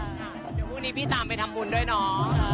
เดี๋ยวพรุ่งนี้พี่ตามไปทำบุญด้วยเนาะ